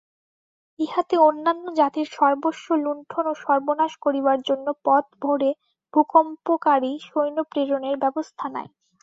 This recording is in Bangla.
ইহাতে অন্যান্য জাতির সর্বস্ব লুণ্ঠন ও সর্বনাশ করিবার জন্য পদভরে ভূকম্পকারী সৈন্যপ্রেরণের ব্যবস্থা নাই।